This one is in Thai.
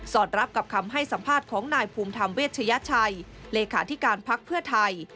รับกับคำให้สัมภาษณ์ของนายภูมิธรรมเวชยชัยเลขาธิการพักเพื่อไทย